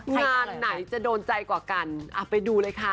งานไหนจะโดนใจกว่ากันไปดูเลยค่ะ